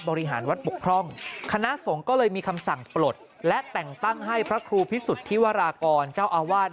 บริหารวัดบกพร่องคณะสงฆ์ก็เลยมีคำสั่งปลดและแต่งตั้งให้พระครูพิสุทธิวรากรเจ้าอาวาส